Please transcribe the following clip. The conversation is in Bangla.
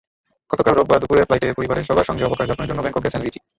গতকাল রোববার দুপুরের ফ্লাইটে পরিবারের সবার সঙ্গে অবকাশযাপনের জন্য ব্যাংকক গেছেন রিচি।